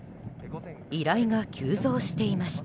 依頼が急増していました。